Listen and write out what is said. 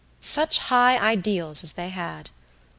Such high ideals as they had!